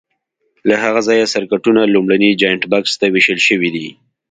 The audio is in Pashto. له هغه ځایه سرکټونو لومړني جاینټ بکس ته وېشل شوي دي.